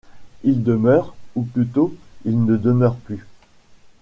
Il demeure... ou plutôt il ne demeure plus...